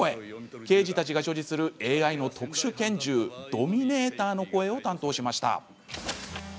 刑事たちが所持するＡＩの特殊拳銃ドミネーターの声を担当しました。